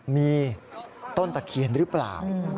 มีต้นตะเคียนหรือเปล่า